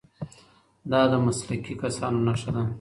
دا د مسلکي کسانو نښه ده.